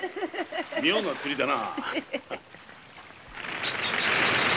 妙な釣りだな。